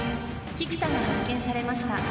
菊田が発見されました。